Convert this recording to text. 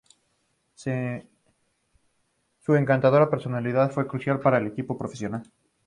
Su encantadora personalidad fue crucial para el equipo profesional.